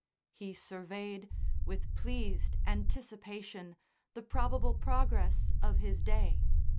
He surveyed, with pleased anticipation, the probable progress of his day.